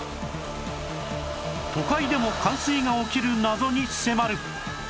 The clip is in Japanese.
都会でも冠水が起きる謎に迫る！